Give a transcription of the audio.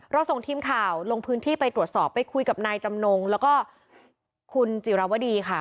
ส่งทีมข่าวลงพื้นที่ไปตรวจสอบไปคุยกับนายจำนงแล้วก็คุณจิราวดีค่ะ